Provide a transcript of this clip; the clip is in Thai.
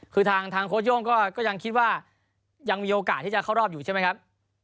คือทางโค้ชโย่งก็ยังคิดว่ายังมีโอกาสที่จะเข้ารอบอยู่ใช่ไหมครับ